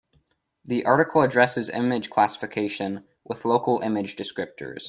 The article addresses image classification with local image descriptors.